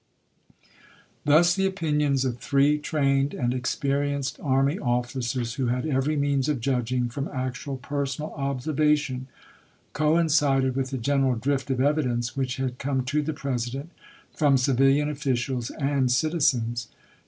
Thus the opinions of three trained and expe rienced army officers, who had every means of judging from actual personal observation, coincided with the general drift of e\ddence which had come to the President from civilian officials and citizens.